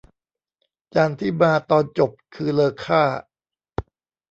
จานที่มาตอนจบคือเลอค่า